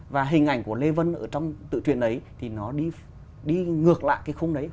và hình ảnh của lê vân ở trong tự chuyện đấy thì nó đi ngược lại cái khung đấy